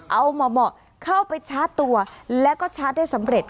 เอาเหมาะเข้าไปชาร์จตัวแล้วก็ชาร์จได้สำเร็จ